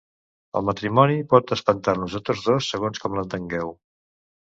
El matrimoni pot espantar-nos a tots dos segons com l'entengueu.